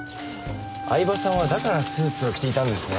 饗庭さんはだからスーツを着ていたんですね。